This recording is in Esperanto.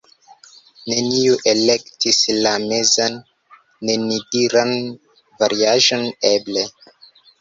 neniu elektis la mezan, nenidiran variaĵon "eble".